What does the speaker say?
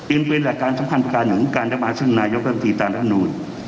อินเป็นแหละการสำคัญประการหนึ่งการได้มาซึ่งนายกรรมทีตามรัฐนูน